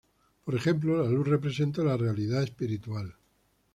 Por ejemplo, la luz representa la realidad espiritual.